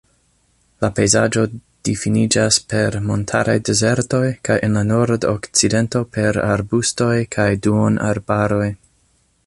La pejzaĝo difiniĝas per montaraj dezertoj kaj en la nord-okcidento per arbustoj kaj duonarbaroj.